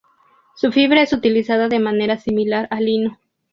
Su fibra es utilizada de manera similar al lino.